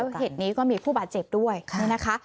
แล้วเหตุนี้ก็มีผู้บาดเจ็บด้วยนะคะ